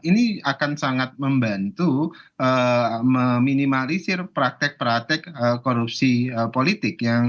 ini akan sangat membantu meminimalisir praktek praktek korupsi politik